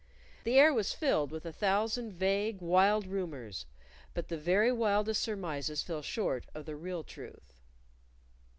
The air was filled with a thousand vague, wild rumors but the very wildest surmises fell short of the real truth.